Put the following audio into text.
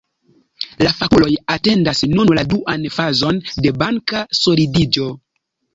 La fakuloj atendas nun la duan fazon de banka solidiĝo.